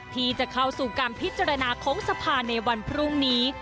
ที่จะเข้าสู่การพิจารณาของสภาในวันพรุ่งนี้